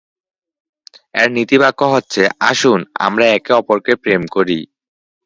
এর নীতিবাক্য হচ্ছে "আসুন আমরা একে অপরকে প্রেম করি"।